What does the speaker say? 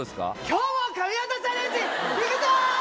今日も神業チャレンジいくぞー！